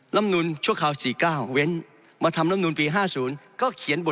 ลำนูลชั่วคราว๔๙เว้น